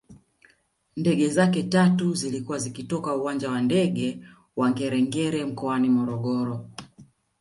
Ndege zake tatu zilikuwa zikitoka uwanja wa ndege wa Ngerengere mkoani Morogoro